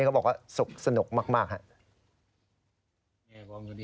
เขาบอกว่าสุขสนุกมากครับ